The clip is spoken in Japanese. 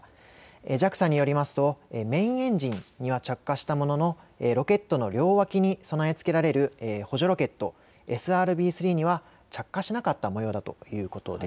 ＪＡＸＡによりますとメインエンジンには着火したもののロケットの両脇に備え付けられる補助ロケット、ＳＲＢ−３には着火しなかったもようだということです。